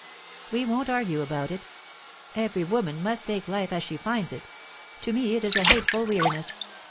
"We won't argue about it. Every woman must take life as she finds it. To me it is a hateful weariness.